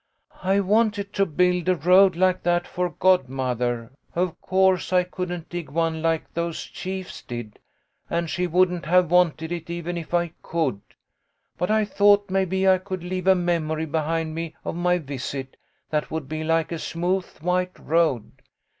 " I wanted to build a road like that for godmother. Of course I couldn't dig one like those chiefs did, and she wouldn't have wanted it even if I could ; but I thought maybe I could leave a memory behind me of my visit, that would be like a smooth white road.